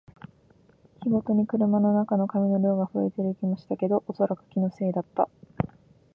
日ごとに車の中の紙の量が増えている気もしたけど、おそらく気のせいだった